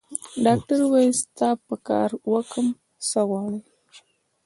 ډاکټر وویل: ستا زه په کار وم؟ څه غواړې؟